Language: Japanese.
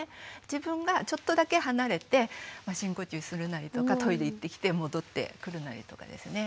自分がちょっとだけ離れて深呼吸するなりとかトイレ行ってきて戻ってくるなりとかですね。